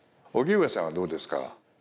荻上さんはどうですか？